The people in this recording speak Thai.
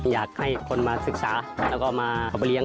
อยากให้คนมาศึกษาแล้วก็มาเอาไปเลี้